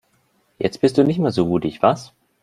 Jetzt bist du nicht mehr so mutig, was?